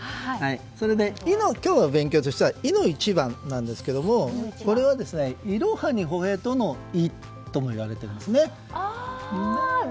それで、今日の勉強としては「いの一番」ですけどこれは、いろはにほへとの「い」ともいわれているんですね。